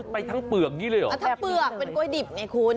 ไปทั้งเปลือกนี่เลยเหรอแบบนี้เลยเหรออ่ะทั้งเปลือกเป็นกล้วยดิบเนี่ยคุณ